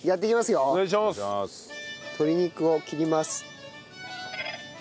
鶏肉を切ります。